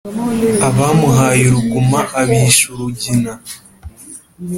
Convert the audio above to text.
abamuhaye uruguma abisha urugina.